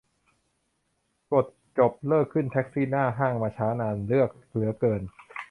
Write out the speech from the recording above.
กด จบ เลิกขึ้นแท็กซี่หน้าห้างมาช้านาน เลือกเหลือเกิน